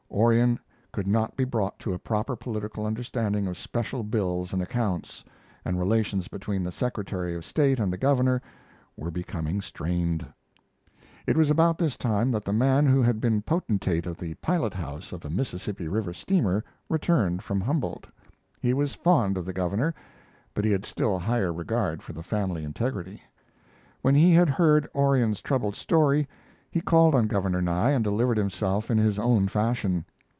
Orion could not be brought to a proper political understanding of "special bills and accounts," and relations between the secretary of state and the governor were becoming strained. It was about this time that the man who had been potentate of the pilot house of a Mississippi River steamer returned from Humboldt. He was fond of the governor, but he had still higher regard for the family integrity. When he had heard Orion's troubled story, he called on Governor Nye and delivered himself in his own fashion.